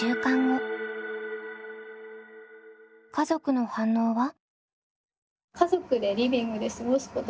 家族の反応は？